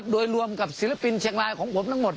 โดยรวมกับศิลปินเชียงรายของผมทั้งหมด